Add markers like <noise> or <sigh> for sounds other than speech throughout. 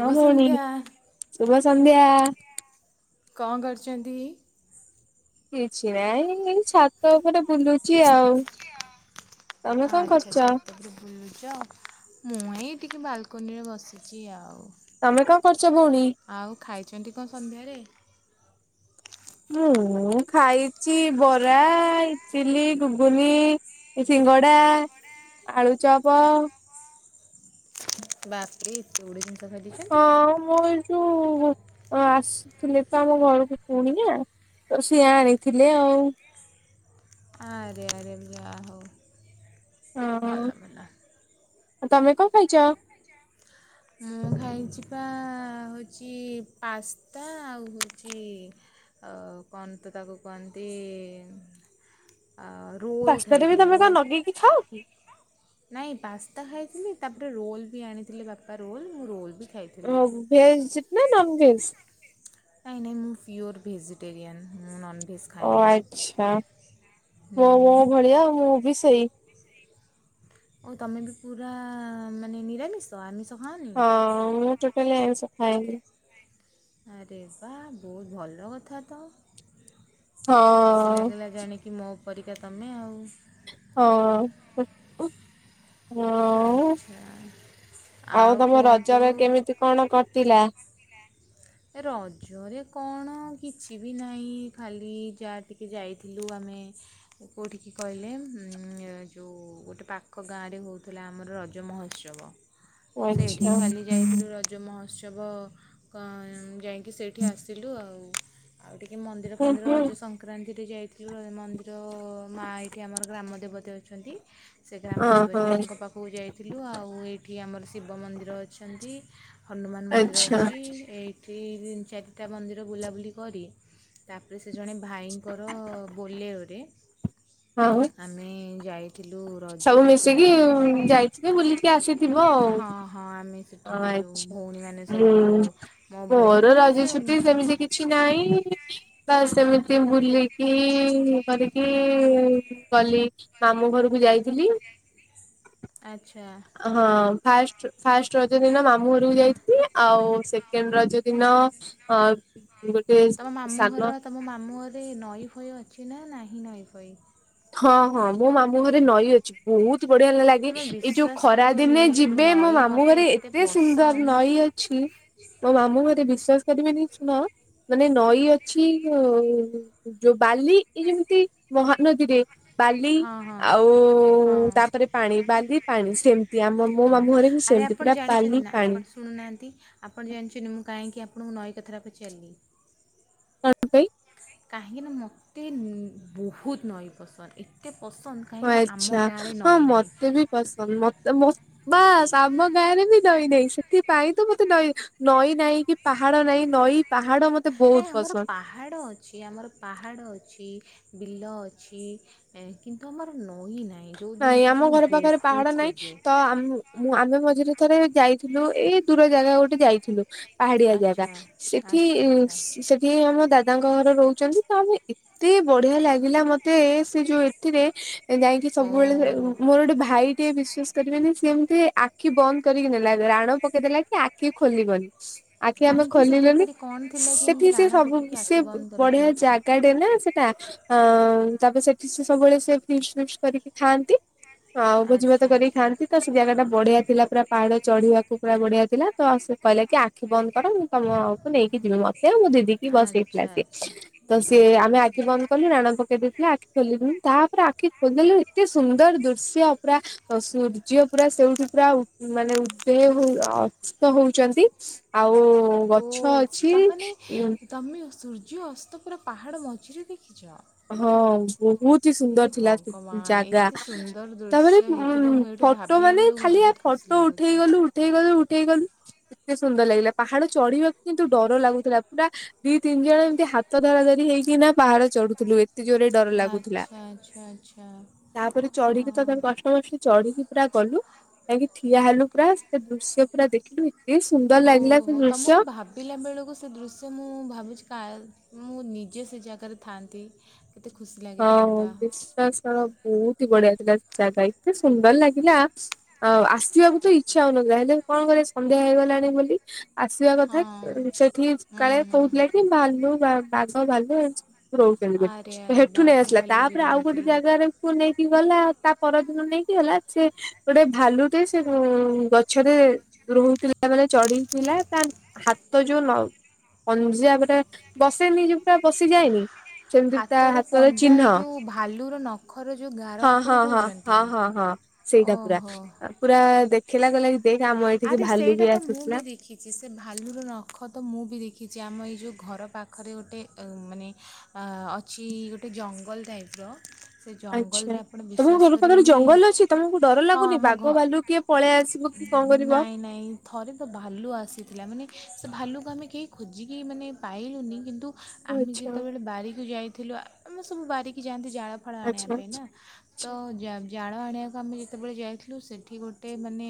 ହଁ ଭଉଣି, ସନ୍ଧ୍ୟା ଶୁଭ ସନ୍ଧ୍ୟା। କଣ କରୁଛନ୍ତି? କିଛି ନାଇଁ ଏ ଛାତ ଉପରେ ବୁଲୁଛି ଆଉ। ତମେ କଣ ଆଛା, କରୁଚ? ଛାତଉପରେ ବୁ ଛ, ମୁଁ ଏଇଁ ଟିକେ ବାଲକନିରେ ବସିଛି ଆଉ। ତମେ କଣ କରୁଚ ଭଉଣୀ? ଆଉ ଖାଇଛନ୍ତି କନ ସନ୍ଧ୍ୟାରେ? ମୁଁ ଖାଇଚି ବରା, ଇଟିଲି, ଗୁଗୁନି। ଇ ସିଙ୍ଗଡା, ଆଳୁଚପ। ବା ଏ ଏତେ ଗୁଡେ ଜିନିଷ ଖାଇ ଦେଇଛନ୍ତି। ହଁ, ମୁଁ ଏଇ ଯୋଉ ଓ ଆସିଥିଲେ ତ ଆମ ଘରକୁ କୁଣିଆ, ତ ସିଏ ଆଣିଥିଲେ ଆଉ। ଆରେ ଆରେ ଯା ହଉ, ଭଲ ଭଲ। ଆ, ତମେ କଣ ଖାଇଚ? ମୁଁ ଖାଇଚିପା ହଉଚି ପାସ୍ତା ଆଉ ହଉଚି ଆଉ କଣ ତ ତାକୁ କୁହନ୍ତି, ଆଉ ରୋଲ୍ ଖାଇଥିଲି, ରୋ ଇଛା ଉ କି ନାଇଁ ପାସ୍ତା ଖାଇଥିଲି, ତାପରେ ରୋଲ ବି ଆଣିଥିଲେ ବାପା ରୋଲ, ମୁଁ ରୋଲ ବି ଓ, ଖାଇଥିଲି। ଭେଜ ନା, ନନ ଭେଜ? କାଇଁ ନା, ମୁଁ ପିଓର ଭେଜିଟେରିଆନ୍, ମୁଁ ନନ୍ ଭେଜ ଓ ଆଛା, ମୋ ହୁଁ ମୋ ଭଳିଆ, ମୁଁ ବି ସେଇ ଓ, ତମେ ବି ପୁରା ମାନେ ନିରାମିଷ, ଆମିଷ ଖାଅନି ହଁ, ମୁଁ ଟୋଟାଲି ଆଇଁଷ ଖାଏନି। ଆରେ ବାଃ, ବହୁତ ଭଲ କଥା ତ। ଖୁସି ହଁ ଲାଗିଲା ଜାଣିକି ମୋ ପରିକା ତମେ ଆଉ। ହଁ, ହୁଁ ହୁଁ। ଆଛା, ଆଉ ତମ କୁଅନ୍ତୁ? ରଜରେ କେମିତି କଣ କଟିଲା? ରଜରେ କଣ କିଛି ବି ନାଇଁ, ଖାଲି ଯାଆ ଟିକେ ଯାଇଥିଲୁ ଆମେ କୋଉଠିକି କହିଲେ, ଉଁ, ଯୋଉ ଗୋଟେ ପାଖ ଗାଁରେ ହେଉଥିଲା ଆମର ରଜ ମହୋତ୍ସବ। <inaudible> ସେଠିକି ଆଚ୍ଛା ଖାଲି ଯାଇଥିଲି ରଜ ମହୋତ୍ସବ, କଅ ଯାଇକି ସେଇଠି ଆସିଲୁ ଆଉ, ଆଉ ଟିକେ ମନ୍ଦିର ହୁଁ ଫନ୍ଦିର ହୁଁ ରଜ ସନ୍ ସଂକ୍ରାନ୍ତିରେ ଯାଇଥିଲୁ ଆ ମନ୍ଦିର ଅ, ମା ଏଇଠି ଆମର ଗ୍ରାମ ଦେବତି ଅଛନ୍ତି। ସେ ଗ୍ରାମ ଓହୋ ଦେବତିଙ୍କ ପାଖକୁ ଯାଇଥିଲୁ, ଆଉ ଏଇଠି ଆମର ଶିବ ମନ୍ଦିର ଅଛନ୍ତି। ହନୁମାନ ମନ୍ଦିର ଆଚ୍ଛା ଅଛି, ଏଇଠି ତିନି ଚାରିଟା ମନ୍ଦିର ବୁଲାବୁଲି କରି ତାପରେ ସେ ଜଣେ ଭାଇଙ୍କର ବୋଲେୟରେ, ଆଉ ଆମେ ଯାଇ ଥିଲୁ ସବୁ ରଜରେ ମିଶିକି ବୁଲାବୁଲି କରିଆ ପାଇଁ, ଯାଇଥିବେ ବୁଲିକି ଆସିଥିବ ଆଉ ହଁ ହଁ ଆମେ ସେ ଏ ଯୋଉ ଆଚ୍ଛା। ଭଉଣୀ ମାନେ ହୁଁ ସବୁ, ମୋ ଭଉଣୀ ସେ ସେ କିଛି ନାଇଁ ବାସ୍‌ ସେମିତି ବୁଲିକି, ଇଏ କରିକି ଗଲି। ମାମୁଁ ଘରକୁ ଯାଇଥିଲି। ଆଛା। ହଁ ଫାଷ୍ଟ, ଫାଷ୍ଟ ରଜ ଦିନ ମାମୁଁ ଘରକୁ ଯାଇଥିଲି ଆଉ ସେକେଣ୍ଡ ରଜ ଦିନ ହଁ ତମ ମାମୁଁ ଘର, ତମ ମାମୁଁ ଘରେ ନଈ ଫଇ ଅଛି ନା, ନାହିଁ ନଈ ଫଇ? ହଁ ହଁ ମୋ ମାମୁଁ ଘରେ ନଈ ଅ ବହୁତ ବଢିଆ ଲାଗେ ତୁମେ ଏଇ ଯୋଉ ବିଶ୍ୱାସ ଖରା କରିବନି ଦିନେ ଯିବେ ମୋ ନଈ ମାମୁଁ ମୋତେ ଘରେ ଏତେ ସୁନ୍ଦର ପସନ୍ଦ ନଈ ଅ ଛି। ମୋ ମାମୁଁ ଘରେ ବିଶ୍ଵାସ କରିବେନି ଶୁଣ ମାନେ ନଈ ଅଛି ଉଁ ଯୋଉ ବାଲି ଏ ଯେମିତି ମହାନଦୀରେ ବାଲି। ହଁ ହଁ ଆଉ ହଁ ତାପରେ ପାଣି ବାଲି ପାଣି ସେମିତି ଆମ ମୋ ହଁ ମାମୁଁ ଘରେ ବି ଆରେ ସେମିତି ଆପଣ ପୁରା ବାଲି ଜାଣିଛନ୍ତି ନା ପାଣି ଆପଣ ଶୁଣୁନାହାନ୍ତି ଆପଣ ଜାଣିଛନ୍ତି ମୁଁ କାହିଁକି ଆପଣଙ୍କୁ ନଈ କଥାଟା ପଚାରଲି। କଣ ପାଇଁ। କାହିଁକିନା ମୋତେ ବହୁତ ନଈ ପସନ୍ଦ ଏତେ ପସନ୍ଦ ଅ କାହିଁକିନା ଆମ ଆଛା ଗାଁରେ ହଁ ନଈ ନାହିଁ ମତେ ବି ପସନ୍ଦ ମତେ ମ ବାସ ଆମ ଗାଁରେ ବି ନଈ ନାହିଁ ସେଥିପାଇଁ ତ ମତେ ନଈ ନଈ ନହିଁ କି ପାହାଡ ନାହିଁ ନଈ ପାହାଡ ମତେ ଏ ବହୁତ ଆମର ପସନ୍ଦ ପାହାଡ଼ ଅଛି ଆମର ପାହାଡ଼ ଅଛି ବିଲ ଅଛି ଏ କିନ୍ତୁ ଆମର ନଈ ନହିଁ ନାଇଁ ଆମ ଘର ପାଖରେ ପାହାଡ ନାଇଁ ତ ଆ ମୁଁ ଆମେ ମଝିରେ ଥରେ ଯାଇଥିଲୁ ଏଇ ଦୂର ଜାଗା ଗୋଟେ ଯାଇଥିଲୁ ପାହାଡିଆ ଆଚ୍ଛା ଜାଗା ସେଠି ଆଚ୍ଛା ଆଚ୍ଛା ସେଠି ଆମ ଦାଦାଙ୍କ ଘର ରହୁଛନ୍ତି ତ ଆମେ ଏ ତେ ବଢିଆ ଲାଗିଲା ମତେ ସେ ଯୋଉ ଏଥିରେ ଯାଇକି ସବୁବେଳେ ହଉ ମୋର ଗୋଟେ ଭାଇ ଟିକେ ବିଶ୍ଵାସ କରିବେନି ସେି ଏମତି ଆଖି ବନ୍ଦ କରିକି ନେଲା ରାଣ ପକେଇଦେଲା କି ଆଖି ଖୋଲିବନି ଆଖି ଆମେ କାହିଁକି ସେଠି ଖୋଲିଲୁନି ଖାଲି କ'ଣ ଥିଲା କି ସେଠି ଏମିତି ସେ ରାଣ ସବୁ ପକାଇକି ସେ ଆଖି ବନ୍ଦ ବଢିଆ କରିଥିଲେ ଜା ଡ ନା ସେଟା ତାପରେ ସେଠି ସବୁବେଳେ ଫି ଫ କରିକି ଖାଆନ୍ତି ହଉ ଭୂଜି ଆଚ୍ଛା ଭାତ କରିକି ଆଚ୍ଛା ଖାନ୍ତି ତ ଜାଗା ଟା ବଢିଆ ଥିଲା ପୁରା ପାହାଡ ଚଢିବାକୁ ପୁରା ବଢିଆ ଥିଲା ତ ସେ କହିଲା କି ଆଖି ବନ୍ଦ କର ତମ ଆଉକୁ ନେଇକି ଯିବି ମତେ ଆଉ ମୁଁ ଦିଦି କିି ଆଚ୍ଛା ବସେଇଥିଲା ସିଏ ଆଚ୍ଛା ତ ସିଏ ଆଚ୍ଛା ଆମେ ଆଖି ବନ୍ଦ କଲୁ ରାଣ ପକେଇ ଦେଇଥିଲା ଆଖି ଖୋଲିଲନୁୁ ତାପରେ ଆଖି ଖୋଲଲୁ ଏତେ ସୁନ୍ଦର ଦୃଶ୍ୟ ପୁରା ସୂର୍ଯ୍ୟ ପୁରା ସେଉଠୁ ପୁରା ମାନେ ଉଦୟ ହ ଅଥ ହଉଛନ୍ତି ଆଉ ଓ ଗଛ ଅଛି ତା'ମାନେ ତୁମେ ସୂର୍ଯ୍ୟ ଅସ୍ତ ପୁରା ପାହାଡ଼ ମଝିରେ ଦେଖିଛ ହଁ ବହୁତ ସୁନ୍ଦର ହେ ଥିଲା ସେ ଭଗବାନ ଜାଗା ଏତେ ସୁନ୍ଦର ତାପରେ ଦୃଶ୍ୟ ଉ ହେଇଥିବ ମୁଁ ଏଇଠୁ ଫଟୋ ଭାବିଲା ମାନେ ବେଳକୁ ମୋତେ ଖାଲି ଆ ବହୁତ ଖୁସି ଫଟୋ ଉଠେଇ ଲାଗୁଛି ଗଲୁ ଉଠେଇ ଗଲୁ ଉଠେଇ ଗଲୁ ଏତେ ସୁନ୍ଦର ଲାଗିଲା ପାହାଡ ଚଢିବାକୁ କିନ୍ତୁ ଡର ଲାଗୁଥିଲା ପୁରା ଦିଇ ତିନି ଜଣ ଏମିତି ହାତ ଧରା ଧରି ହେଇକି ନା ପାହାଡ଼ ଚଢୁଥିଲୁ ଏ ଜୋରେ ଡର ଲାଗୁଥିଲା ଆଚ୍ଛା ଆଚ୍ଛା ଆଚ୍ଛା ତାପରେ ଅ, ଚଢିକି ତ ତାଙ୍କ କଷ୍ଟ କଷ୍ଟ ଚଢିକି ପୁରା ଗଲୁ କାହିଁକି ଠିଆ ହେଲୁ ପୁରା ସେ ଦୃଶ୍ୟ ପୁରା ଦେଖିଲୁ ଏତେ ସୁନ୍ଦର ଲାଗିଲା ସେ ଦୃଶ୍ୟ ପିଲାବେଳକୁ ସେ ଦୃଶ୍ୟ ମୁଁ ଭାବୁଛି କା ମୁଁ ନିଜେ ସେ ଜାଗାରେ ଥାଆନ୍ତି କେତ ଖୁସି ଲାଗେ ହଁ ବିଶ୍ୱାସର ବହୁତ ହି ବଢିଆ ଥିଲା ଜାଗା ଏତେ ସୁନ୍ଦର ଲାଗିଲା ଆଉ ଆସିବାକୁ ତ ଇଚ୍ଛା ହଉନଥିଲା ହେଲେ କଣ କ ସନ୍ଧ୍ୟା ହେଇଗଲାଣି ବୋଲି ଆସିବା କଥା ହଁ ସେଠି ହୁଁ କାଳେ ହୁଁ କହୁଥିଲେ କି ଭାଲୁ ବାଘ ଭାଲୁ ଆଣି ରହୁଛନ୍ତି ଆରେ ବୋଲି ଆରେ ହେଠୁ ବାଘ ନେଇ ଆସିଲା ଭାଲୁ ବି ତାପରେ ଆଉ ରୁହନ୍ତି ଗୋଟେ ଜାଗା କୁ ନେଇକି ଗଲା ଆଉ ତା ପରଦିନ ନେଇକି ଗଲା ସେ ଗୋଟେ ଭାଲୁଟେ ସେ ଗ ଛରେ ରୋହୁଥିଲା ମାନେ ଚଢିଥିଲା ତା ହାତ ଯୋଉ ନ ପଞ୍ଜାବରେ ବସେନି ତ ପୁରା ପସିଯାଏନି ସେମିତି ତା ହା ହାତର କୋଉ ପଞ୍ଜା ଚିହ୍ନ ଏଇ ଯେଉଁ ଭାଲୁର ନଖର ଯେଉଁ ଗାର ହଁ ଆପଣ ହଁ ହଁ କହୁଛନ୍ତି ହଁ ହଁ ହଁ ସେଇଟା ପୁରା ଓହୋ ପୁରା ଦେଖିଲା କହିଲା କି ଦେଖେ ଆମ ଏଇଠିକି ଆରେ ଭାଲୁ ସେଇଟା ବି ତ ମୁଁ ଆସୁଥିଲା। ଦେଖିଛି ସେ ଭାଲୁର ନଖ ତ ମୁଁ ବି ଦେଖିଛି ଆମ ଏଇ ଯେଉଁ ଘର ପାଖରେ ଗୋଟେ ମାନେ ଅଛି ଗୋଟେ ଜଙ୍ଗଲ ଟାଇପ୍ ର। ଆଚ୍ଛା ତମ ଘର ପାଖରେ ଜଙ୍ଗଲ ଅଛି। ତମକୁ ଡର ହଁ ଲାଗୁନି। ଆମ ବାଘ ଘ ବାଲୁ କିଏ ପଳେଇ ଆସିବ କି। କଣ କରିବ? ନାଇଁ ନାଇଁ। ଥରେ ତ ଭାଲୁ ଆସିଥିଲା। ମାନେ ସେ ଭାଲୁକୁ ଆମେ କେହି ଖୋଜିକି ମାନେ ପାଇଲୁନି। କିନ୍ତୁ ଆମେ ଆଚ୍ଛା ଯେତେବେଳେ ବାରିକକୁ ଯାଇଥିଲୁ ଆମେ ସବୁ ବାରିକି ଯାଆନ୍ତି ଜାଳ ଫାଳ ଆଣିବା ଆଚ୍ଛା ପାଇଁ ନା। ତ ଆଚ୍ଛା ଜାଳ ଆଣିବାକୁ ଆମେ ଯେତେବେଳେ ଯାଇଥିଲୁ ସେଠି ଗୋଟେ ମାନେ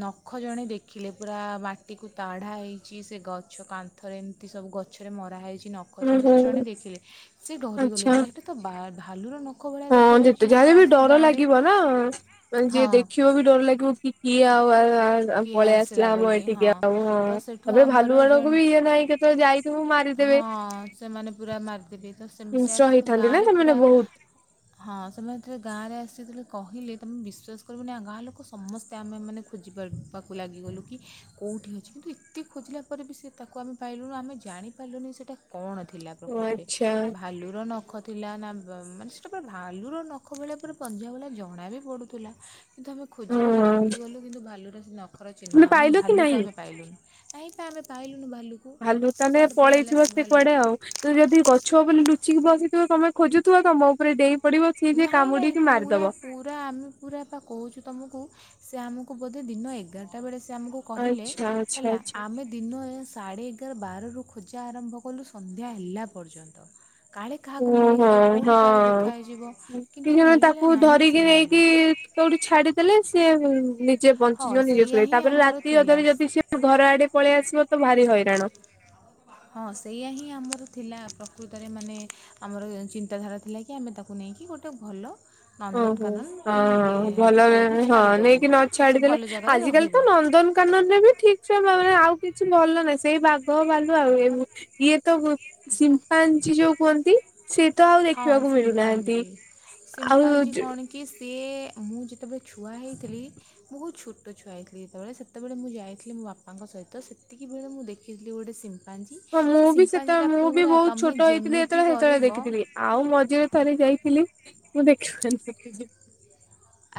ନଖ ଜଣେ ଦେଖିଲେ ପୁରା ମାଟିକୁ ତାଢା ହେଇଛି ସେ ଗଛ କା ଥରେ ଏମିତି ସବୁ ଗଛରେ ମରା ହେଇଛି ନ ନଖ ହୁଁ ଚିହ୍ନ ସେ ଜଣେ ହୁଁ। ଦେଖିଲେ ସେ ଡରି ଗଲେ ଆଚ୍ଛା ପୁରା ସେଇଟା ତ ଭାଲୁ ର ନ ହଁ ଯେତେ ଯାହା ବି ଡର ଲାଗିବ ନା ଯିଏ ହଁ ଦେଖିବ ବି ଡର ଲାଗିବ କି କିଏ ଆଉ କିଏ ପଳେଇ ଆସିଲା ଆମ ବୋଲି ହଁ ଏଠିକେ ଆଉ ହଁ ତ ସେଠୁ ତାପରେ ଭାଲୁ ଆମର ମାନଙ୍କୁ ବି ଜଣେ ଇଏ ନାହିଁ କେତେବେଳେ ଯାଇ ହଁ ସେମାନେ ପୁରା ମାରିଦେବେ ତ ସେ ହିଂସ୍ର ସେୟାତ ତ ହେଇଥାନ୍ତି ନା ଗାଁରେ ସେମାନେ ପୁରା ବହୁତ। ହଁ ସେମାନେ ଯେତେରେ ଗାଁ ରେ ଆସିଥିଲେ କହିଲେ ତମେ ବିଶ୍ଵାସ କରିବୁନି ଗାଁ ଲୋକ ସମସ୍ତେ ଆମେ ମାନେ ଖୋଜିବା ପାକୁ ଲାଗିଗଲୁ କି କେଉଁଠି ଅଛି କିନ୍ତୁ ଏତେ ଖୋଜିଲା ପରେ ବି ସେ ତାକୁ ଆମେ ପାଇଲୁନୁ ଆମେ ଜାଣି ପାରିଲୁନି ସେଟା କଣ ଥିଲା ପ୍ରକୃରେ ଆଚ୍ଛା ଭାଲୁ ର ନ ନଖ ଥିଲା ନା ମାନେ ସେଟା ପୁରା ଭାଲୁର ନଖ ଭଳିଆ ପୁରା ପଞ୍ଝା ଭଳିଆ ଜଣା ବି ପଡୁଥିଲା। କିନ୍ତୁ ଆମେ ଖୋଜି ଖୋଜି ହଁ। ଥକି ଗଲୁ। କିନ୍ତୁ ଭାଲୁର ସେ ନଖର ଚିହ୍ନ ତୁମେ ମାନେ ପାଇଲ କି ଭାଲୁକୁ ନାହିଁ? ଆମେ ପାଇଲୁନି। କାହିକା ଆମେ ପାଇଲୁନୁ ଭାଲୁକୁ। ଭାଲୁ ତାହେଲେ କୁଆଡ଼େ ପଳେଇଲା ପଳେଇଥିବ ସେ ଭାଲୁ କୁଆଡେ ଆଉ। ତ ଯଦି ଗଛ ବୋଲି ଲୁଚିକି ବସିଥିବ ତମେ ଖୋଜୁଥିବ ତମ ଉପରେ ଡେଇଁ ପଡିବ ସିଏ ଯିଏ ନାଇଁ ନାଇଁ କାମୁଡିକି ପୁରା ମାରିଦବ। ପୁରା ଆମେ ପୁରା କହୁଛୁ ତୁମକୁ ସେ ଆମକୁ ବୋଧେ ଦିନ ଏଗାରଟା ବେଳେ ସେ ଆମକୁ କହିଲେ ଆଚ୍ଛା ଆଚ୍ଛା ହେଲା ଆଚ୍ଛା ଆମେ ଦିନ ସାଢ଼େ ଏଗାର ବାରରୁ ଖୋଜା ଆରମ୍ଭ କଲୁ ସନ୍ଧ୍ୟା ହେଲା ପର୍ଯ୍ୟନ୍ତ। କାଳେ କାହାକୁ ଓହୋ ମିଳିଯିବ କେଉଁଠି କାଳେ ଦେଖା ହଁ। ହେଇଯିବ। କି କିନ୍ତୁ ଜଣ ମିଳିଲା ତାକୁ ନାହିଁ ଧରିକି ସେ ନେଇକି ଭାଲୁ କୋଉଠି ଛାଡିଦେଲେ ସିଏ ଯିଏ ହଁ ବଞ୍ଚିଯିବ ନିଜ ସେଇଆ ଶୁଣେଇ ହିଁ ତାପରେ ଆମର ରାତି ଅଧରେ ଥିଲା ଯଦି ସି ଘର ଆଡେ ପଳେଇ ଆସିବ ତ ଭାରି ହଇରାଣ। ହଁ ସେଇଆ ହିଁ ଆମର ଥିଲା ପ୍ରକୃତରେ ମାନେ ଆମର ଚିନ୍ତାଧାରା ଥିଲା କି ଆମେ ତାକୁ ନେଇକି ଗୋଟେ ଭଲ ଓହୋ ନନ୍ଦନକାନନ କି ହଁ ଭଲ କେଉଁଠି ହଁ ଛାଡ଼ିଦେବୁ ନେଇକି ନ ସେ ଛାଡିଦେଲେ ଭଲ ଜାଗାରେ ଆଜିକାଲି ରହିବ ତ ନନ୍ଦନ କାନରେ ବି ଠିକ୍‌ ସେ ଭାବରେ ହିଁ ଆଉ କିଛି ଭଲ ନାହିଁ। ସେଇ ବାଘ ବାଲୁ ଆଉ ଏମ୍ ଇଏ ତ ସିମ୍ପାଞ୍ଚି ଯୋଉ କୁହନ୍ତି ସେ ତ ଆଉ ହଁ ଦେଖିବାକୁ ମିଳୁନାହାନ୍ତି। ସିମ୍ପାଞ୍ଜି ଆଉ ସିମ୍ପାଞ୍ଜି କଣ କି ସିଏ ମୁଁ ଯେତେବେଳେ ଛୁଆ ହେଇଥିଲି। ମୁଁ ବହୁତ ଛୋଟ ଛୁଆ ହେଇଥିଲି। ଯେତେବେଳେ ସେତେବେଳେ ମୁଁ ଯାଇଥିଲି ମୋ ବାପାଙ୍କ ସହିତ ସେତିକିିବେଳେ ମୁଁ ଦେଖିଥିଲି ଗୋଟେ ସିମ୍ ସିମ୍ପାଞ୍ଜି ହଁ ମୁଁ ସେ ବି ସେତେବେଳେ ସିମ୍ପାଞ୍ଜିଟା ମୁଁ ବି ପୁରା ବହୁତ ତୁମେ ଛୋଟ ହେଇଥିଲି ଯେମିତି ଯେତେବେଳେ ସେତେବେଳେ କରିବ। ଦେଖିଥିଲି ଆଉ ମଝିରେ ଥରେ ଯାଇଥିଲି ମୁଁ ଦେଖି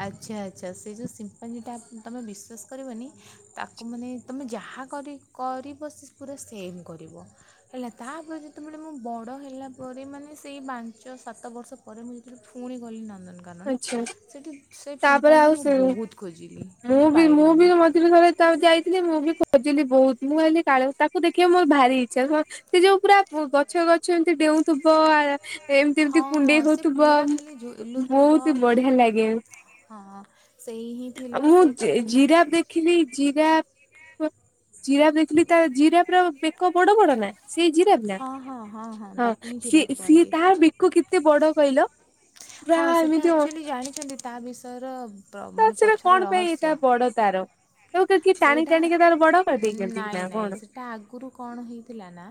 ଆଚ୍ଛା ଆଚ୍ଛା ସେ ଯୋଉ ସିମ୍ପାଜି ଟା ତମ ବିଶ୍ୱାସ କରିବନି ତାକୁ ମାନେ ତୁମେ ଯାହା କରି କରିବ ସେ ପୁରା ସେମ୍ କରିବ। ହେଲା ତାପରେ ଯେତେବେଳେ ମୁଁ ବଡ଼ ହେଲା ପରେ ମାନେ ସେଇ ପାଞ୍ଚ ସାତ ବର୍ଷ। ପରେ ମୁଁ ଯେତେବେଳେ ଫୁଣି ଗଲି ନନ୍ଦନ ଆଚ୍ଛା ସେଠି ସେଇ ସେ ସିମ୍ପାଜି ମୁଁ ବହୁତ ଖୋଜିଲି ମୁଁ କିନ୍ତୁ ବି ବି ପାଇଲିନି। ମୁଁ ଥରେ ଯେତେବେଳେ ଯାଇଥିଲି ମୁଁ ବି ଖୋଜିଲି ବହୁତ। ମୁଁ କହିଲି କାଳ ତାକୁ ଦେଖିବା ମୋର ଭାରି ଇଚ୍ଛା। ସେ ଯୋଉ ପୁରା ଗଛ ଗଛ ଏମିତି ଡେଉଁଥୁବ ଆ ଏମତି ଏମିତି ହଁ ହଁ କୁଣ୍ଡେଇ ସେ ହଉଥୁବ ପୁରା ଖାଲି ଝୁଲୁଥିବ ବହୁତି ବଢିଆ ଲାଗେ ହଁ ସେଇ ହିଁ ଥିଲା ମୁଁ ସେ ଜି ତାକୁ ଜିରା ଦେଖିଲି ଜରାଫ, ଜିରାଫ ଦେଖିଲି ତା ଜିରାଫ ର ବେକ ବଡ ବଡ ନା ସେ ଜିରାପ ନା ହଁ ହଁ ହଁ ତାକୁ ହିଁ ଜିରାଫ ସିଏ ସିଏ କୁହନ୍ତି ତାର ବେକ କେ କେତେ ବଡ କହିଲ? ପୁରା ହଁ ସେଇଟା ଏମିତି ଆକ୍ଚୁଆଲି ଜାଣିଛନ୍ତି ତା ବିଷୟର ମାନେ ପଛର ରହସ୍ୟ। ପଡ ତାର ତାକୁ କିଏ ଟାଣି ସେଇଟା ଟାଣିକି ତାର ବଡ କରିଦେଇଛନ୍ତି ନା ନାଇଁ ନାଇଁ କଣ ସେଇଟା ଆଗରୁ କଣ ହେଇଥିଲା ନା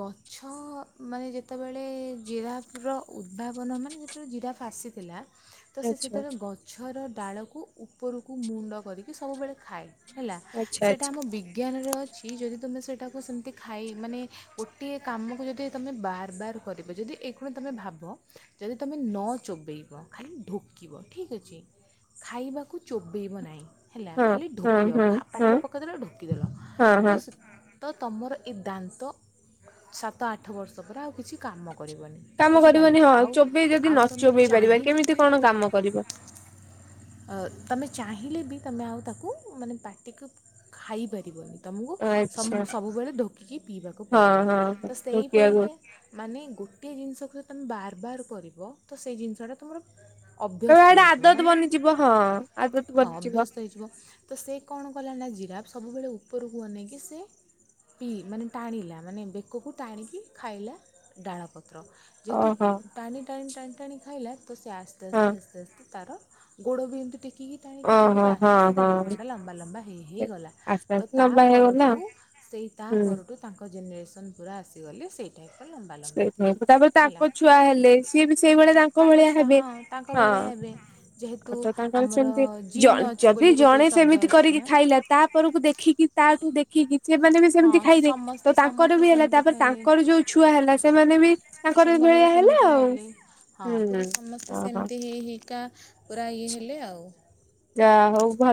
ଗଛ ମାନେ ଯେତେବେଳେ ଜିରାଫ ର ଉଦ୍ଭାବନ ମାନେ ଯେତେବେଳେ ଜିରାବ ଆସି ଥିଲା ତ ସେ ଆଚ୍ଛା। ସେତେବେଳେ ଗଛର ଡାଳକୁ ଉପରକୁ ମୁଣ୍ଡ କରିକି ସବୁବେଳେ ଖାଏ। ହେଲା ଆଚ୍ଛା ସେଇଟା ଆଚ୍ଛା ଆମ ବିଜ୍ଞାନର ଛି ଯଦି ତୁମେ ସେଟାକୁ ସେମିତି ଖାଇ ମାନେ ଗୋଟିଏ କାମକୁ ଯଦି ତମେ ବାର ବାର କରିବ ଯଦି କଣ ତୁମେ ଭାବ ଯଦି ତୁମେ ନ ଚୋବେଇବ ଖାଲି ଢୋକିବ ଠିକ୍ ଅଛି ଖାଇବାକୁ ଚୋବେଇବ ନାହିଁ ହେଲା ହଁ ଖାଲି ହଁ ହଁ ଢୋକିଦେବ ହଁ ପାଟରେ ପକାଇଦେଲ ଢୋକିଦେଲ। ହଁ ହଁ ତ ସ ତ ତମର ଏ ଦାନ୍ତ ସାତ ଆଠ ବର୍ଷ ପରେ ଆଉ କିଛି କାମ କରିବନି। କାମ କରିବନି ବୁଝିପାରିଲେ, ହଁ ଆଉ ଚୋବେଇ ଯଦି ନ ଆଉ ତମେ ଚୋବେଇ ପାରିବା ଚାହିଁଲି କେମିତି ବି କଣ କାମ କରିବ? ଅ ତମେ ଚାହିଁଲେ ବି ତମେ ଆଉ ତାକୁ ମାନେ ପା ଟିକୁ ଖାଇପାରିବନି। ତମକୁ ସମ ଆଚ୍ଛା ସବୁବେଳେ ଢୋକିକି ପିଇବାକୁ ହଁ ପଡ଼ିବ। ହଁ ତ ଢୋକିବାକୁ ସେହିପରିକା ମାନେ ଗୋଟିଏ ଜିନିଷକୁ ଯଦି ତୁମେ ବାରବାର କରିବ ତ ସେ ଜିନିଷଟା ତୁମର ତ ଅଭ୍ୟସ୍ତ ଏଇଟା ହେଇଯିବ। ଆଦତ ମାନେ ବନିଯିବ ଆଦତ ହଁ ବନିଯିବ ଅଭ୍ୟସ୍ତ ହେଇଯିବ ତ ସେ କଣ କଲା ନା ଜିରାପ ସବୁବେଳେ ଉପରକୁ ଅନନେଇକି ସେ ପିଇ ମାନେ ଟାଣିଲା ମାନେ ବେକକୁ ଟାଣିକି ଖାଇଲା ଡାଳପତ୍ର। ଯେହେତୁ ଓହୋ ଟାଣି ଟାଣି ଟାଣି ଟାଣି ଖାଇଲା ତ ସେ ଆସ୍ତେ ହଁ ଆସ୍ତେ ଆସ୍ତେ ଆସ୍ତେ ତାର ଗୋଡ଼ ବି ଏମିତି ଟେକିକି ଟାଣିକି ଖାଇବ ଓହୋ ତ ଆସ୍ତେ ହଁ ଆସ୍ତେ ତା ହଁ ବେକଟା ଲମ୍ବା ଲ ଲମ୍ବା ହେଇ ହେଇ ଗଲା। ଆସ୍ତେ ତ ଆସ୍ତେ ତା ଲମ୍ବା ହେଇଗଲା ପରଠୁ ସେଇ ହୁଁ। ତାପରଠୁ ତାଙ୍କ ଜେନେରେସନ୍ ପୁରା ଆସିଗଲେ ସେଇ ଟାଇପ୍ ର ଲମ୍ବା ଲମ୍ବା ସେଇଥି ତାପରେ ହେଲା ତାଙ୍କ ଛୁଆ ହେଲେ ସିଏ ବି ସେଇଭଳିଆ ତାଙ୍କ ଭଳିଆ ଛୁଆ ହେବେ ହଁ। ତାଙ୍କ ହଁ ଭଳିଆ ହେବେ ଆଉ ଯେହେତୁ ତ ତାଙ୍କର ଆମର ସେମିତି ଜଣ ଜିନ୍ ଅଚ ବୋଲି ଗୋଟେ ଶବ୍ଦ ଅଛି ନା <inaudible> ତା ପରକୁ ଦେଖିକି ତାଠୁ ଦେଖି <inaudible> ଖିକି ସେମାନେ ବି ହଁ ସେମିତି ଖାଇଲେ ତ ସମସ୍ତେ ତାଙ୍କର ବି ସମସ୍ତେ ହେଲା ସେମିତି ତାପରେ ତାଙ୍କର ଖାଇଲେ ଯୋଉ ଛୁ ଛୁଆ ହେଲା ସେମାନେ ବି ତାଙ୍କର ସେମାନେ ଭଳିଆ ବି ହେଲେ ସେମିତି ଆଉ। ଖାଇଲେ ହୁଁ ଓହୋ କା ପୁରା ଇଏ ହେଲେ ଆଉ। ଯା ହଉ ଭ